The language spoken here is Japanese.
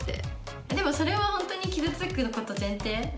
でもそれは本当に傷つくこと前提